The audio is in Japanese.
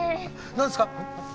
何ですか？